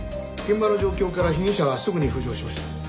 現場の状況から被疑者はすぐに浮上しました。